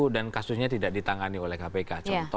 kasusnya tidak ditangani oleh kpk